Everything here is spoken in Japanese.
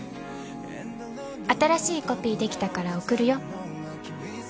「新しいコピーできたから送るよ」